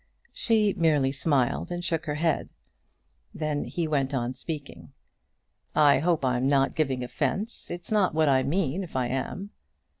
She merely smiled, and shook her head. Then he went on speaking. "I hope I'm not giving offence. It's not what I mean, if I am."